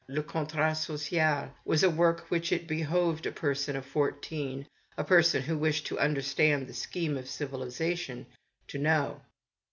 " Le Contrat Social " was a work which it behooved a person of fourteen, who wished to under stand the scheme of civilisation, to know.